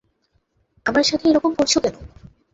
আমার সাথে এরকম করছো কেন?